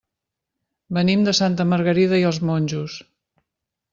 Venim de Santa Margarida i els Monjos.